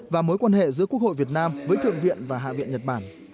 và mối quan hệ giữa quốc hội việt nam với thượng viện và hạ viện nhật bản